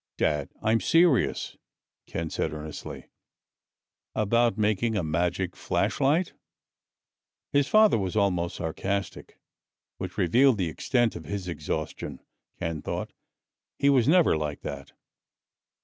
"Dad, I'm serious!" Ken said earnestly. "About making a magic flashlight?" His father was almost sarcastic, which revealed the extent of his exhaustion, Ken thought. He was never like that.